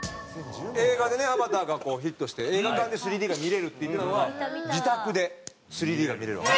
映画でね『アバター』がヒットして映画館で３Ｄが見れるって言ってたのが自宅で３Ｄが見れるわけ。